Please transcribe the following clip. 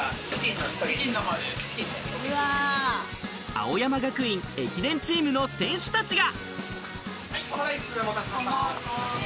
青山学院、駅伝チームの選手たちが。